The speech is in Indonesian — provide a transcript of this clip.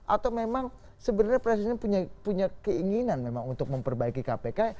atau memang sebenarnya presiden punya keinginan memang untuk memperbaiki kpk